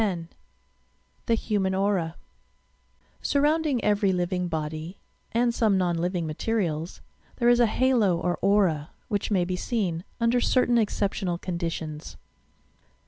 X THE HUMAN AURA d Sdrbodndinq every living body (and some non living materials) there is a halo or "aura," which may be seen, under certain exceptional conditions.